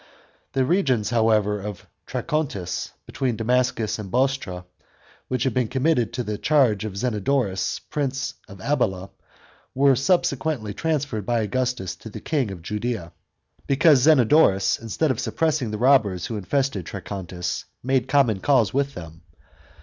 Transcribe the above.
The regions, however, of Trachonitis, between Damascus and Bostra, which had been committed to the charge of Zenodorus, prince of Abila, were subsequently transferred by Augustus to the king of Judea. because Zenodorus, instead of suppressing the robbers who infested Trachonitis, made common cause with them.